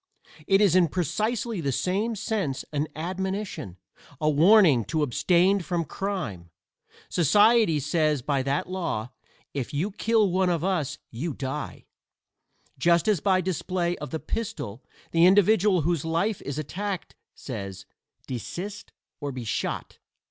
It is in precisely the same sense an admonition, a warning to abstain from crime. Society says by that law: "If you kill one of us you die," just as by display of the pistol the individual whose life is attacked says: "Desist or be shot."